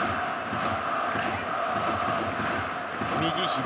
右、左。